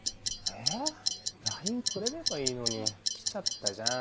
えＬＩＮＥくれればいいのに来ちゃったじゃん。